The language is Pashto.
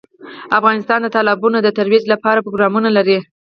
افغانستان د تالابونو د ترویج لپاره پروګرامونه لري.